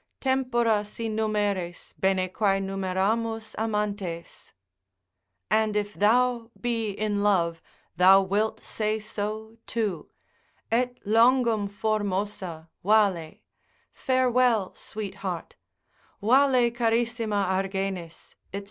Tempora si numeres, bene quae numeramus amantes. And if thou be in love, thou wilt say so too, Et longum formosa, vale, farewell sweetheart, vale charissima Argenis, &c.